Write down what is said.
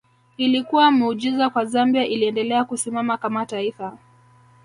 Ilikuwa muujiza kwa Zambia iliendelea kusimama kama taifa